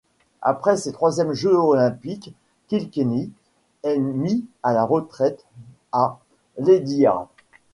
Après ses troisièmes jeux Olympiques, Kilkenny est mis à la retraite à Ledyard.